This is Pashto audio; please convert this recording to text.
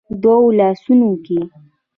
دوو لاسونو کې